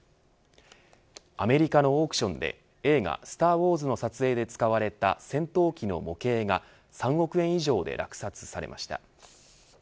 アメリカのオークションで映画スター・ウォーズの撮影で使われた戦闘機の模型が３億円以上で落札されました。